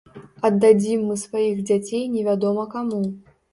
Аддадзім мы сваіх дзяцей невядома каму.